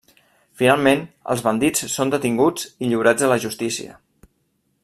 Finalment, els bandits són detinguts i lliurats a la justícia.